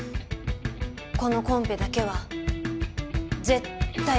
このコンペだけは絶対勝ちたい。